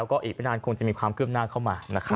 ขอบคุณครับ